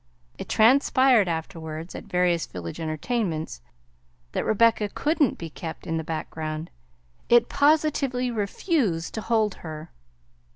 It transpired afterwards at various village entertainments that Rebecca couldn't be kept in the background; it positively refused to hold her.